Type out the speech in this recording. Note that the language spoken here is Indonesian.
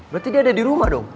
berarti dia ada di rumah dong